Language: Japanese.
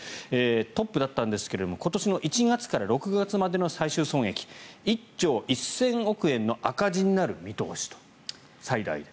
トップだったんですが今年１月から６月までの最終損益が１兆１０００億円の赤字になる見通しと、最大で。